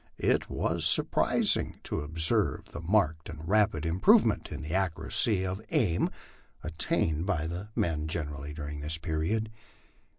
It was surprising to observe the marked and rapid im provement in the accuracy of aim attained by the men generally during this period.